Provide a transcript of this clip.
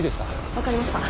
分かりました。